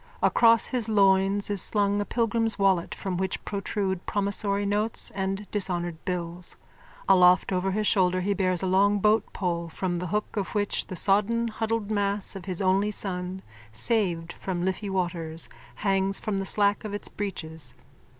Across his loins is slung a pilgrim's wallet from which protrude promissory notes and dishonoured bills. Aloft over his shoulder he bears a long boatpole from the hook of which the sodden huddled mass of his only son, saved from Liffey waters, hangs from the slack of its breeches.